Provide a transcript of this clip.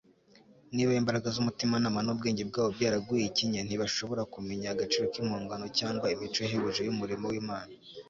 niba imbaraga z'umutimanama n'ubwenge bwabo byaraguye ikinya, ntibashobora kumenya agaciro k'impongano cyangwa imico ihebuje y'umurimo w'imana